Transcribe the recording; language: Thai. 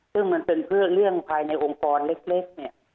ซึ่งมันเป็นเพื่อเรื่องภายในองค์กรเล็กเนี่ย